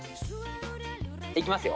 いきますよ。